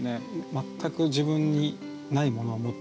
全く自分にないものを持ってるから。